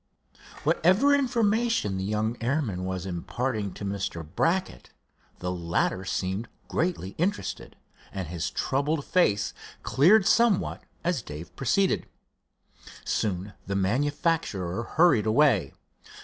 Whatever information the young airman was imparting to Mr. Brackett, the latter seemed greatly interested, and his troubled face cleared somewhat as Dave proceeded. Soon the manufacturer hurried away.